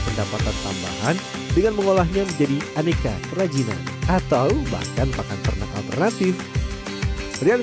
pendapatan tambahan dengan mengolahnya menjadi aneka kerajinan atau bahkan pakan ternak alternatif srian